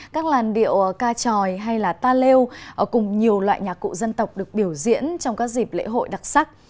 các làn điệu ca tròi hay là ta leo ở cùng nhiều loại nhạc cụ dân tộc được biểu diễn trong các dịp lễ hội đặc sắc